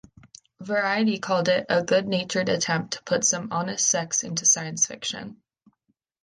"Variety" called it "a good-natured attempt to put some honest sex into science-fiction".